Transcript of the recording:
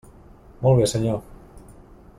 Molt bé, senyor.